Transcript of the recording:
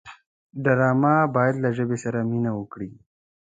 ډرامه باید له ژبې سره مینه وکړي